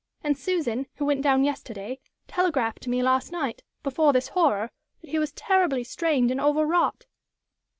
And Susan, who went down yesterday, telegraphed to me last night before this horror that he was 'terribly strained and overwrought.'"